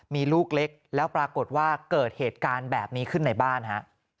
มีลูกเล็กแล้วปรากฏว่าเกิดเหตุการณ์แบบนี้ขึ้นในบ้านฮะ